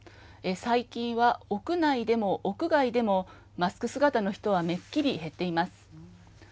最近は屋内でも屋外でも、マスク姿の人はめっきり減っています。